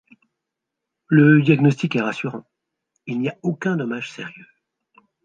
Le diagnostic est rassurant, il n'y a aucun dommage sérieux.